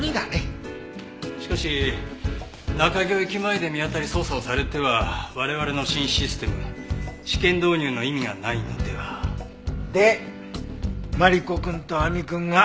しかし中京駅前で見当たり捜査をされては我々の新システム試験導入の意味がないのでは？でマリコくんと亜美くんが交渉に行ってるとこ。